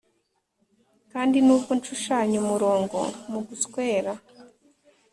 kandi nubwo nshushanya umurongo muguswera,